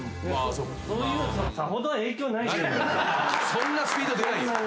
そんなスピード出ないよ。